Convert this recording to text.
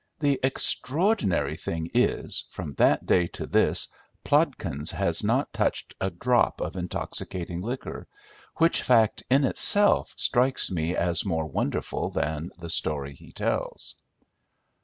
The extraordinary thing is, from that day to this Plodkins has not touched a drop of intoxicating liquor, which fact in itself strikes me as more wonderful than the story he tells.